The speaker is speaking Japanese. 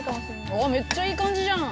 ああめっちゃいい感じじゃん。